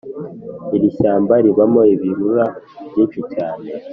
Irishyamba ribamo ibirura byinshi cyane